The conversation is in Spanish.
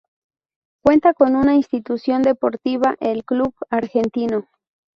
Cuenta con una institución deportiva, el Club Argentino.